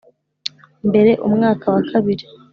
Mbere umwaka wa kabiri